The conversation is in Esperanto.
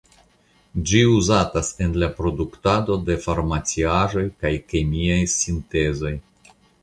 Ĝi uzatas en la produktado de farmarciaĵoj kaj kemiaj sintezoj.